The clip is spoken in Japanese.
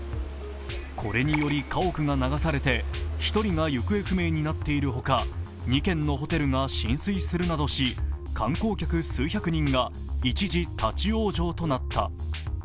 これにより家屋が流されて、１人が行方不明になっているほか、２軒のホテルが浸水するなどし、観光客数百人が一時、立往生となった。